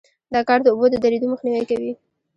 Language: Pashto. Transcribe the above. دا کار د اوبو د درېدو مخنیوی کوي